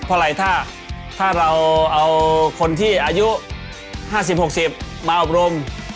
เพราะอะไรถ้าเราเอาคนที่อายุ๕๐๖๐มาอบรม